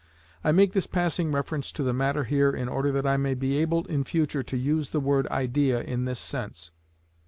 I make this passing reference to the matter here in order that I may be able in future to use the word Idea in this sense.